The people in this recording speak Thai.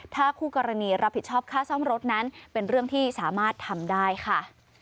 ถ้าคู่กรณีรับผิดชอบค่าซ่อมรถนั้นเป็นเรื่องที่สามารถทำได้ค่ะ